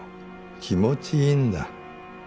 気持ちいいんだ。